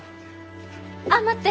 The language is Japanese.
あっ待って！